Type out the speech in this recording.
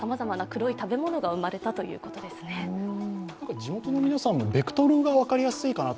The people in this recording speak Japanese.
地元の皆さんもベクトルが分かりやすいかなと。